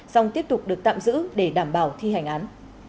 song tiếp tục được tạm giữ để đảm bảo thi hành án